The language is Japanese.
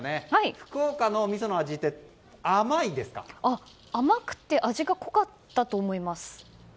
福岡のみその味って甘くて味が濃かったと思います。